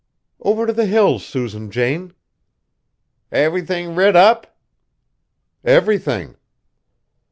"Over to the Hills, Susan Jane." "Everythin' rid up?" "Everything."